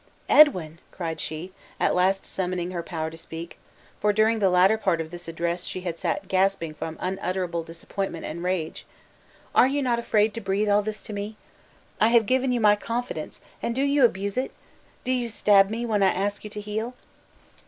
"Edwin!" cired she, at last summoning power to speak, for during the latter part of this address she had sat gasping from unutterable disappointment and rage; "are you not afraid to breathe all this to me? I have given you my confidence and do you abuse it? Do you stab me, when I ask you to heal?"